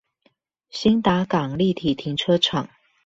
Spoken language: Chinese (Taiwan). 興達港立體停車場